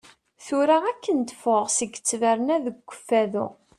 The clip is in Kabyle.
Tura akken d-fɣaɣ seg ttberna deg Ukfadu.